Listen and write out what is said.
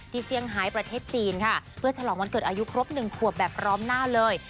เซี่ยงไฮประเทศจีนค่ะเพื่อฉลองวันเกิดอายุครบหนึ่งขวบแบบพร้อมหน้าเลย